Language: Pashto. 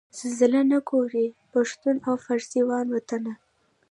زلزلې نه ګوري پښتون او فارسي وان وطنه